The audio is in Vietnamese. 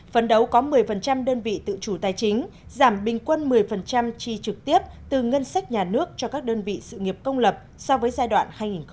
phấn đấu có một mươi đơn vị tự chủ tài chính giảm bình quân một mươi chi trực tiếp từ ngân sách nhà nước cho các đơn vị sự nghiệp công lập so với giai đoạn hai nghìn một mươi sáu hai nghìn hai mươi